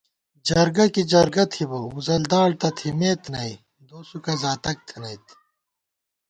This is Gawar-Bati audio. جرگہ کی جرگہ تھِبہ، وُزل داڑ تہ تِھمېت نئ، دوسُوکہ زاتَک تھنَئیت